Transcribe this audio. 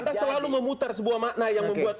anda selalu memutar sebuah makna yang membuat